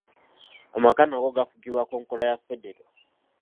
Amaka nago gafugibwa ku nkola ya Federo